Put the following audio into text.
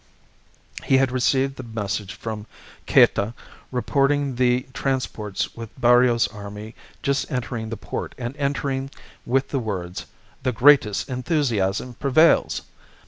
He had received the message from Cayta reporting the transports with Barrios's army just entering the port, and ending with the words, 'The greatest enthusiasm prevails.